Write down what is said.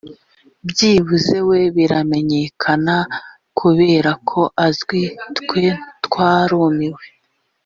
byibura we biramenyekana kuberako azwi twe twarumiwe